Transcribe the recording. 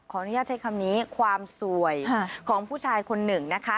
อนุญาตใช้คำนี้ความสวยของผู้ชายคนหนึ่งนะคะ